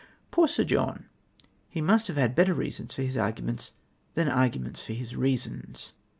Poor Sir John ! He must have had better reasons for his arguments than argu ments for his reasons.